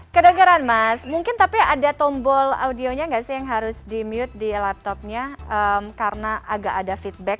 kedengaran mas mungkin tapi ada tombol audionya nggak sih yang harus di mute di laptopnya karena agak ada feedback